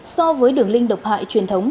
so với đường link độc hại truyền thống